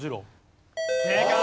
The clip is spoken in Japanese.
正解！